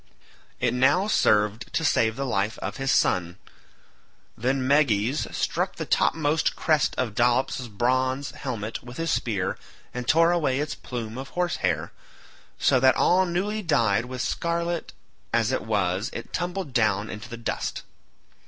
It now served to save the life of his son. Then Meges struck the topmost crest of Dolops's bronze helmet with his spear and tore away its plume of horse hair, so that all newly dyed with scarlet as it was it tumbled down into the dust.